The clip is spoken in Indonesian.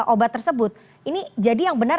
obat tersebut ini jadi yang benar